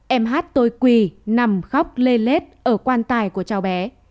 em hát tôi quỳ nằm khóc le lết ở quan tài của cháu bé